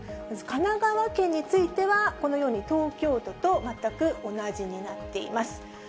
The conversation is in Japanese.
まず神奈川県については、このように東京都と全く同じになっています。